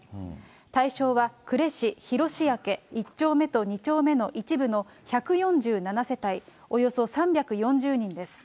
対象は呉市広塩焼１丁目と２丁目の一部の１４７世帯、およそ３４０人です。